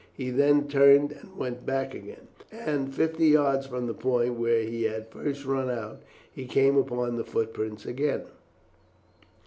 He then turned and went back again, and fifty yards from the point where he had first run out he came upon the footprints again.